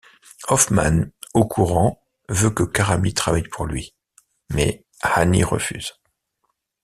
Hoffman au courant veut que Karami travaille pour lui mais Hani refuse.